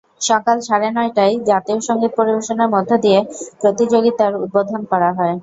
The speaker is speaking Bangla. সকাল সাড়ে নয়টায় জাতীয় সংগীত পরিবেশনের মধ্য দিয়ে প্রতিযোগিতার উদ্বোধন করা হয়।